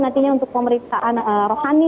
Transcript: nantinya untuk pemeriksaan rohani